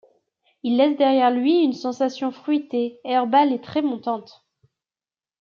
Il laisse derrière lui une sensation fruitée, herbale et très montante.